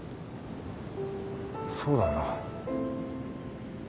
そうだな